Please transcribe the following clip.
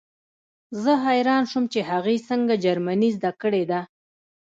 زه حیران شوم چې هغې څنګه جرمني زده کړې ده